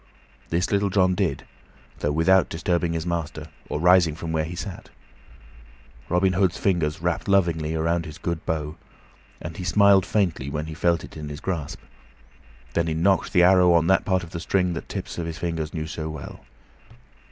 This Little John did, though without disturbing his master or rising from where he sat. Robin Hood's fingers wrapped lovingly around his good bow, and he smiled faintly when he felt it in his grasp, then he nocked the arrow on that part of the string that the tips of his fingers knew so well.